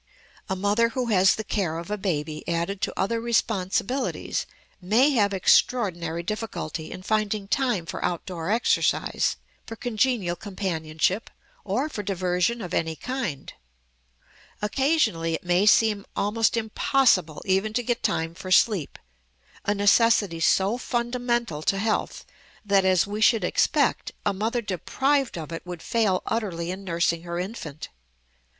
A mother who has the care of a baby added to other responsibilities may have extraordinary difficulty in finding time for outdoor exercise, for congenial companionship, or for diversion of any kind. Occasionally it may seem almost impossible even to get time for sleep, a necessity so fundamental to health that, as we should expect, a mother deprived of it would fail utterly in nursing her infant.